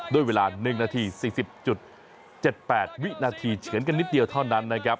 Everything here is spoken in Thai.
ด้วยเวลา๑นาที๔๐๗๘วินาทีเฉือนกันนิดเดียวเท่านั้นนะครับ